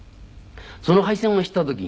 その敗戦を知った時にね